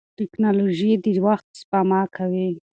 ټکنالوژي د وخت سپما کوي.